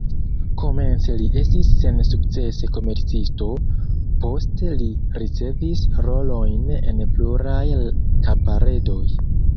Komence li estis sensukcese komercisto, poste li ricevis rolojn en pluraj kabaredoj.